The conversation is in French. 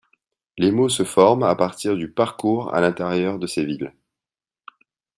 Les mots se forment à partir du parcours à l’intérieur de ces villes.